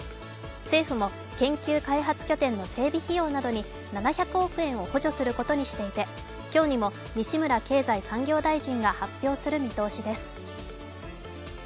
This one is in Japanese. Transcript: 政府も研究開発拠点の整備費用などに７００億円を補助することにしていて今日にも西村経済産業大臣が発表する見通しです。